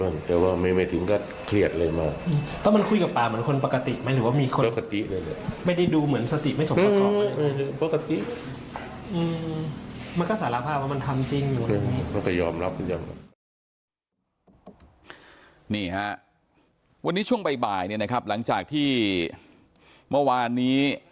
นี่ฮะวันนี้ช่วงบ่ายเนี่ยนะครับหลังจากที่เมื่อวานนี้